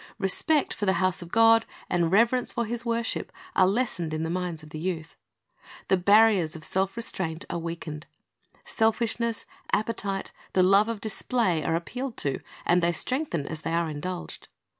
Respect for the house of God and reverence for His worship are lessened in the minds of the youth. The barriers of self restraint are weakened. Selfishness, appetite, the love of display, are appealed to, and they strengthen as they are indulged.